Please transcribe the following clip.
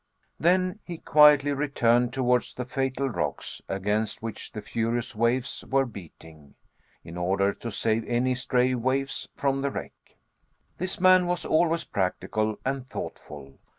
Then he quietly returned towards the fatal rocks, against which the furious waves were beating, in order to save any stray waifs from the wreck. This man was always practical and thoughtful.